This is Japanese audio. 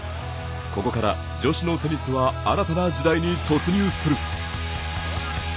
ここから女子のテニスは新たな時代に突入する。